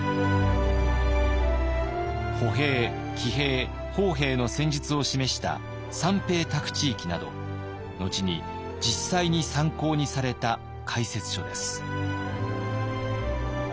歩兵騎兵砲兵の戦術を示した「三兵答古知幾」など後に実際に参考にされた解説書です。